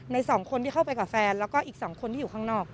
สองคนที่เข้าไปกับแฟนแล้วก็อีก๒คนที่อยู่ข้างนอก